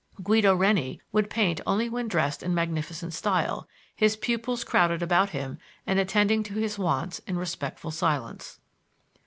Guido Reni would paint only when dressed in magnificent style, his pupils crowded about him and attending to his wants in respectful silence.